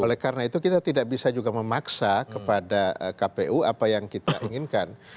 oleh karena itu kita tidak bisa juga memaksa kepada kpu apa yang kita inginkan